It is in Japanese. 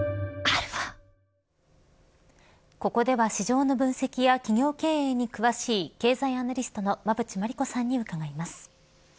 ここでは市場の分析や企業経営に詳しい経済アナリストの馬渕磨理子さんに伺います。